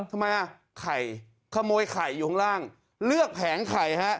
ทำไมอ่ะไข่ขโมยไข่อยู่ข้างล่างเลือกแผงไข่ฮะ